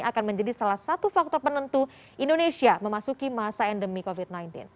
akan menjadi salah satu faktor penentu indonesia memasuki masa endemi covid sembilan belas